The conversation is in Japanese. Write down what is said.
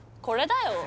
これだよ